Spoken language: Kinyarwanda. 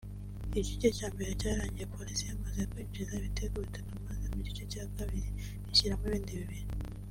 Igice cya mbere cyarangiye Police yamaze kwinjiza ibitego bitatu maze mu gice cya kabiri ishyiramo ibindi bibiri